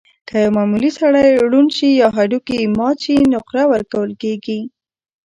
که یو معمولي سړی ړوند شي یا هډوکی یې مات شي، نقره ورکول کېږي.